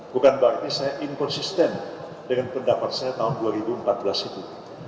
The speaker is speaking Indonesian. bukan berarti saya inkonsisten dengan pendapat saya tahun dua ribu empat belas itu